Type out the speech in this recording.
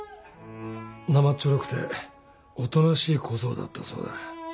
なまっちょろくておとなしい小僧だったそうだ。